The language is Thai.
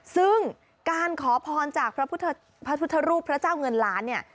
ซึ่งการขอพรจากพระพุทธรูปพระเจ้าเงินล้านเนี่ย